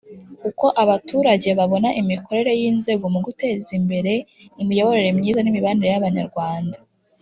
Uko abaturage babona imikorere y inzego mu guteza imbere imiyoborere myiza n imibanire y Abanyarwanda